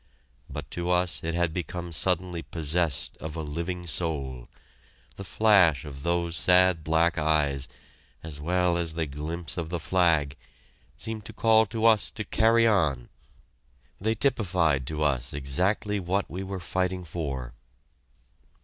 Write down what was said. But to us it had become suddenly possessed of a living soul! The flash of those sad black eyes, as well as the glimpse of the flag, seemed to call to us to carry on! They typified to us exactly what we were fighting for!